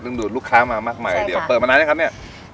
ดูดลูกค้ามามากมายทีเดียวเปิดมานานยังครับเนี่ย